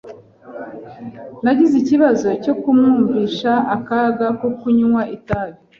Nagize ikibazo cyo kumwumvisha akaga ko kunywa itabi.